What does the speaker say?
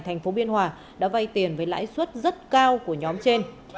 thành phố biên hòa đã vay tiền với lãi suất rất cao của nhóm trên